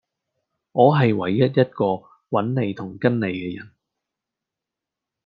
我係唯一一個搵你同跟你既人